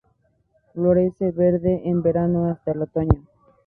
Florece verde, en verano hasta el otoño.